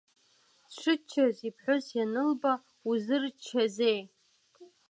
Дшыччаз иԥҳәыс ианылба, Узырччазеи?